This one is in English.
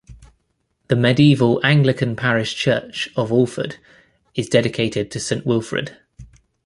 The medieval Anglican parish church of Alford is dedicated to Saint Wilfrid.